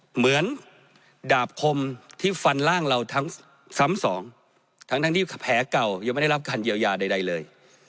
เหมือนดาบคมที่ฟันร่างเราทั้งซ้ำสองทั้งที่แผลเก่ายังไม่ได้รับการเยียวยาใดเลย